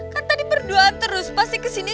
kan tadi berdoa terus pasti kesini